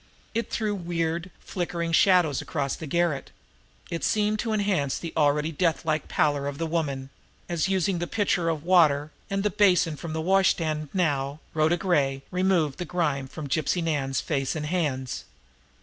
It threw weird, flickering shadows around the garret; it seemed to enhance the already deathlike pallor of the woman, as, using the pitcher of water and the basin from the washstand now, Rhoda Gray removed the grime from Gypsy Nan's face and hands.